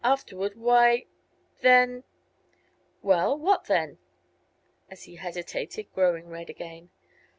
Afterward, why then " "Well; what then?" as he hesitated, growing red again.